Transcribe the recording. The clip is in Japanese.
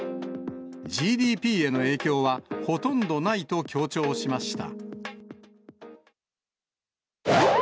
ＧＤＰへの影響はほとんどないと強調しました。